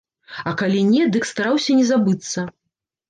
А калі не, дык стараўся не забыцца.